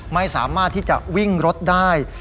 ไม่สามารถที่จะวิ่งรถได้